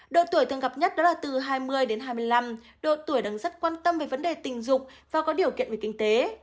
độ tuổi thường gặp nhất đó là từ hai mươi đến hai mươi năm độ tuổi đang rất quan tâm về vấn đề tình dục và có điều kiện về kinh tế